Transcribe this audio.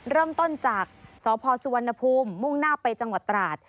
เริ่มต้นจากสพสุวรรณภูมิมุ่งหน้าไปจังหวัดตราด